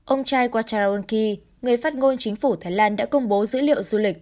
ông chai quacharaonki người phát ngôn chính phủ thái lan đã công bố dữ liệu du lịch